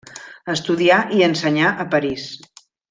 Estudià i ensenyà a París.